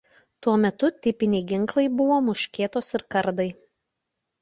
Tuo metu tipiniai ginklai buvo muškietos ir kardai.